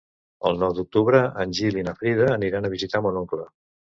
El nou d'octubre en Gil i na Frida aniran a visitar mon oncle.